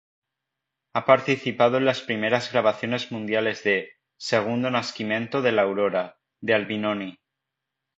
Ha participado en las primeras grabaciones mundiales de "Il Nascimento dell' Aurora" de Albinoni.